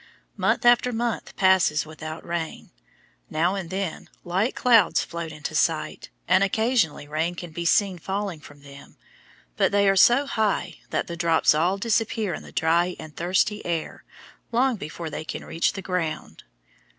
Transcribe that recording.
Month after month passes without rain. Now and then light clouds float into sight, and occasionally rain can be seen falling from them, but they are so high that the drops all disappear in the dry and thirsty air long before they can reach the ground.